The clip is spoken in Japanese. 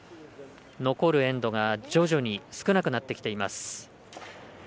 残るエンドが徐々に少なくなってきています。